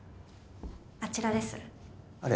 あちらですあれ？